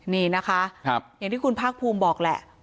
นี่นะคะอย่างที่คุณภาคภูมิบอกแหละ